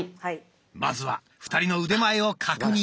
まずは２人の腕前を確認。